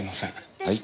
はい。